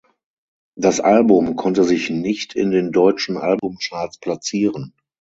Das Album konnte sich nicht in den deutschen Albumcharts platzieren.